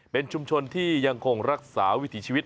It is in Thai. เป็นชุมชนที่ยังคงรักษาวิถีชีวิต